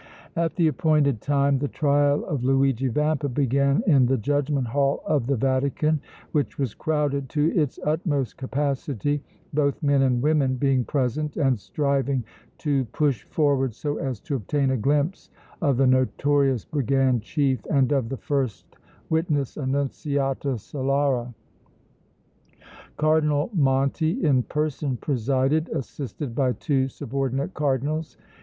At the appointed time the trial of Luigi Vampa began in the Judgment Hall of the Vatican, which was crowded to its utmost capacity, both men and women being present and striving to push forward so as to obtain a glimpse of the notorious brigand chief and of the first witness Annunziata Solara. Cardinal Monti in person presided, assisted by two subordinate Cardinals.